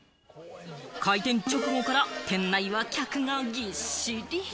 開店直後から店内は客がぎっしり。